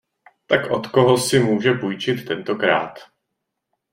Tak od koho si může půjčit tentokrát?